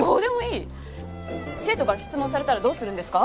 生徒から質問されたらどうするんですか？